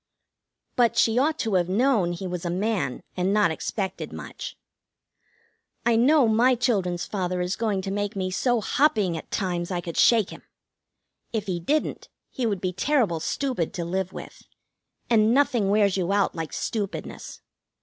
But she ought to have known he was a man, and not expected much. I know my children's father is going to make me so hopping at times I could shake him. If he didn't, he would be terrible stupid to live with, and nothing wears you out like stupidness.